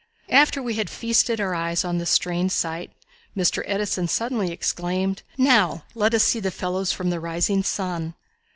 After we had feasted our eyes on this strange sight, Mr. Edison suddenly exclaimed: "Now let us see the fellows from the rising sun."